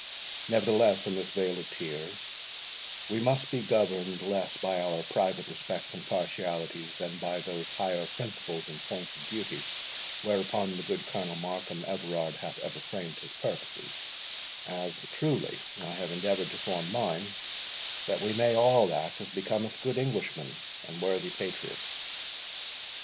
Nevertheless, in this vale of tears, we must be governed less by our private respects and partialities, than by those higher principles and points of duty, whereupon the good Colonel Markham Everard hath ever framed his purposes, as, truly, I have endeavoured to form mine, that we may all act as becometh good Englishmen and worthy patriots.